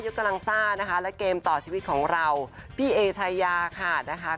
กำลังซ่านะคะและเกมต่อชีวิตของเราพี่เอชายาค่ะนะคะ